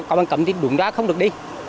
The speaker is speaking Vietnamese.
còn bằng cấm thì đường đó không được đi